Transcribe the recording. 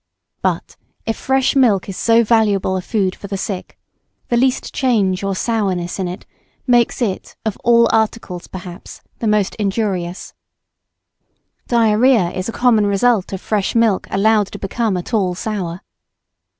But, if fresh milk is so valuable a food for the sick, the least change or sourness in it, makes it of all articles, perhaps, the most injurious; diarrhoea is a common result of fresh milk allowed to become at all sour.